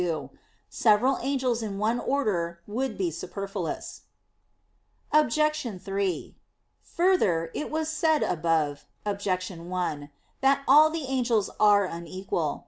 2), several angels in one order would be superfluous. Obj. 3: Further, it was said above (Obj. 1) that all the angels are unequal.